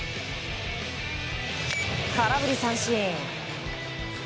空振り三振。